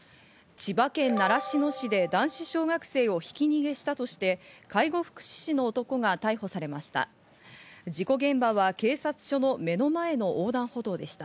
千葉県習志野市で男子小学生をひき逃げしたとして、介護福祉士の男が逮捕されました。